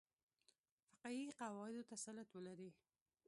فقهي قواعدو تسلط ولري.